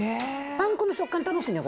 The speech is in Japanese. パン粉の食感楽しいね。